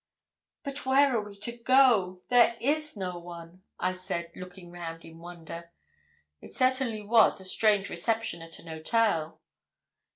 'But where are we to go? There is no one!' I said, looking round in wonder. It certainly was a strange reception at an hotel.